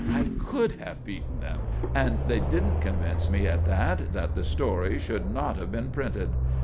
I could have beaten them! And they didn't convince me at that, that the story should not have been printed!